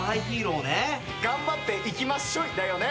『がんばっていきまっしょい』だよね。